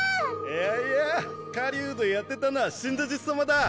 いやいや狩人やってたのは死んだじっさまだぁ。